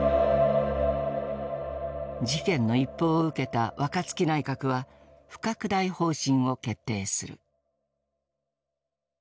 事件の一報を受けた若槻内閣は不拡大方針を決定する。